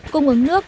cung ứng nước